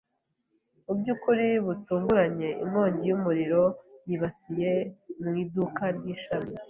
Mu buryo butunguranye, inkongi y'umuriro yibasiye mu iduka ry’ishami.